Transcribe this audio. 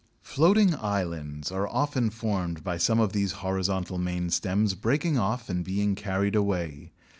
Floating islands are often formed by some of these horizontal main stems breaking off and being carried away.